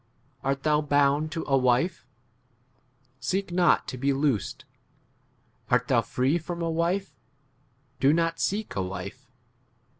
Art thou bound to a wife ? seek not to be loosed ; art thou free from a wife ? 28 do not seek a wife.